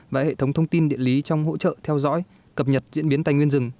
và hệ thống thông tin điện lý trong hỗ trợ theo dõi cập nhật diễn biến tài nguyên rừng